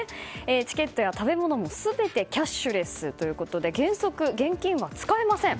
チケットも食べ物も全てキャッシュレスということで原則、現金は使えません。